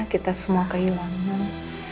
kita semua kehilangan